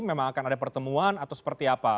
memang akan ada pertemuan atau seperti apa